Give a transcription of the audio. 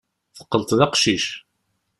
Teqqleḍ d aqcic.